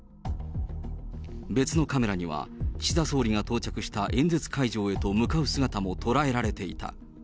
別のカメラには、岸田総理が到着した演説会場へと向かう姿も捉えられていた。